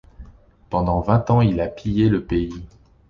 Pendant vingt ans il a pillé le pays.